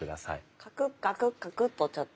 カクッカクッカクッとちょっと。